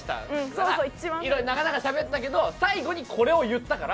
いろいろ長々しゃべったけど最後にこれを言ったから。